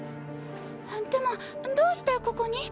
でもどうしてここに？